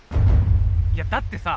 いやだってさ